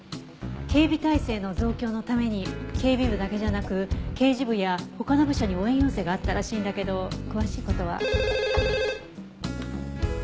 警備態勢の増強のために警備部だけじゃなく刑事部や他の部署に応援要請があったらしいんだけど詳しい事は。